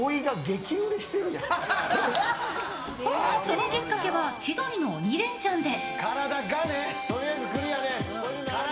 そのきっかけは「千鳥の鬼レンチャン」で。